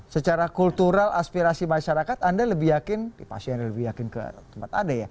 secara kultural aspirasi masyarakat anda lebih yakin pasti anda lebih yakin ke tempat anda ya